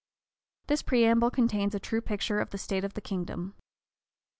7 This preamble contains a true picture of the state of the kingdom.